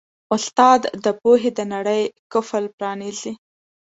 استاد د پوهې د نړۍ قفل پرانیزي.